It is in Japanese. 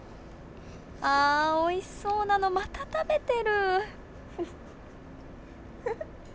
あおいしそうなのまた食べてる！